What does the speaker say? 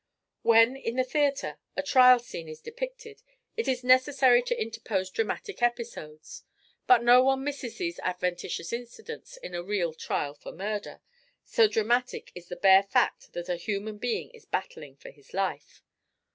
When, in the theatre, a trial scene is depicted, it is necessary to interpose dramatic episodes, but no one misses these adventitious incidents in a real trial for murder, so dramatic is the bare fact that a human being is battling for his life.